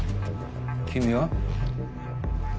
君は？